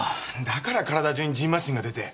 だから体中にじんましんが出て。